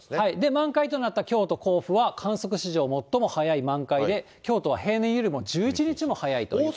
満開となった京都、甲府は観測史上最も早い満開で、きょうとは平年よりも１１日も早いということです。